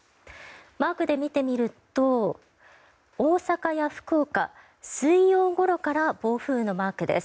マークで見てみると大阪や福岡、水曜ごろから暴風のマークです。